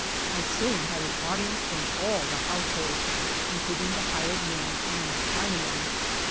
I soon had an audience from all the household, includ ing the hired man and the Chinaman.